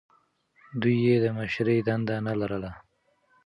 دوی یې د مشرۍ دنده نه لرله.